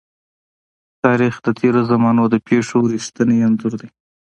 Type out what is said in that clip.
تاریخ د تېرو زمانو د پېښو رښتينی انځور دی.